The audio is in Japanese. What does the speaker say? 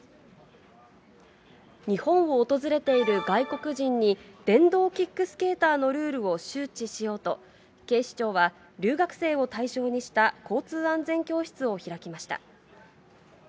日本を訪れている外国人に、電動キックスケーターのルールを周知しようと、警視庁は留学生を対象にした交通安全教室を開きました。